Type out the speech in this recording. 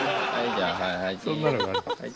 じゃあはいはいちーん。